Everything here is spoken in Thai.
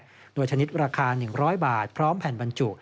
โดยชนิดราคา๑๐๐บาทพร้อมแผ่นบรรจุ